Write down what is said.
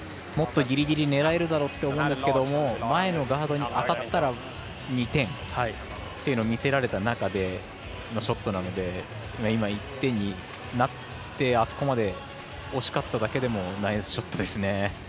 もっとぎりぎり狙えるだろって思うんですけど前のガードに当たったら２点というのを見せられた中でのショットなので今、１点になってあそこまで押し勝っただけでもナイスショットですね。